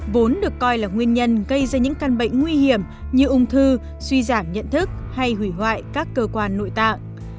vốn được coi là nguyên nhân gây ra những căn bệnh nguy hiểm như ung thư suy giảm nhận thức hay hủy hoại các cơ quan nội tạng